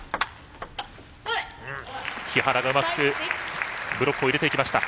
木原がうまくブロックを入れていきました。